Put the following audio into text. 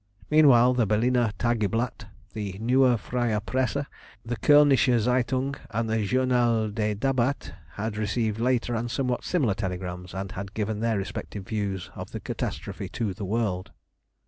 Meanwhile the Berliner Tageblatt, the Newe Freie Presse, the Kölnische Zeitung, and the Journal des Débats had received later and somewhat similar telegrams, and had given their respective views of the catastrophe to the world.